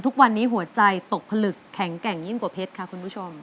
แข็งแกร่งยิ่งกว่าเพชรค่ะคุณผู้ชม